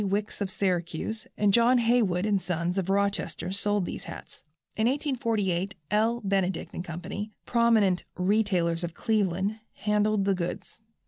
Wickes of Syracuse, and John Heywood & Sons of Rochester sold these hats. In 1848 L. Benedict & Co., prominent retailers of Cleveland, handled the goods.